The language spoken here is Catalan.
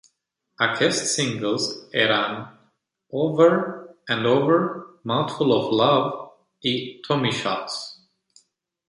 Aquests singles eren Over and Over, Mouthful of Love i Tommy Shots.